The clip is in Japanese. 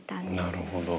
なるほど。